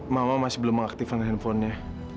mama masih belum mengaktifkan handphonenya